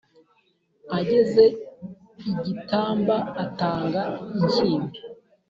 Ageze i Gitamba atanga inshyimbo